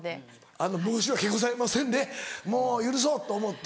あの「申し訳ございません」でもう許そうと思って？